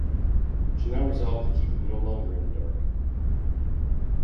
She now resolved to keep him no longer in the dark.